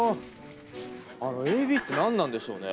あの「ＡＢ」って何なんでしょうね？